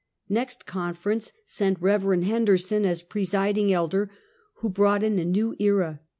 J^ext Conference sent Rev. Henderson as presiding elder, who brought in a new era.